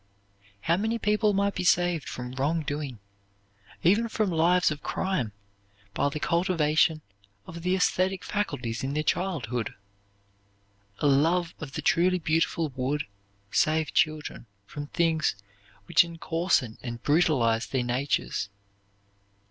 How many people might be saved from wrong doing, even from lives of crime, by the cultivation of the esthetic faculties in their childhood! A love of the truly beautiful would save children from things which encoarsen and brutalize their natures.